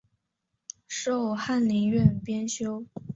授翰林院编修。